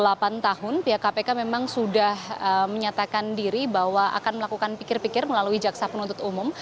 selama delapan tahun pihak kpk memang sudah menyatakan diri bahwa akan melakukan pikir pikir melalui jaksa penuntut umum